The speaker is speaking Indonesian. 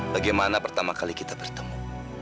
bagaimana pertama kali kita bertemu